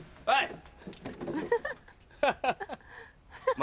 はい！